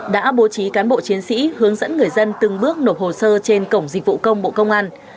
đã bố trí cán bộ chiến sĩ hướng dẫn người dân từng bước nộp hồ sơ trên cổng dịch vụ công bộ công an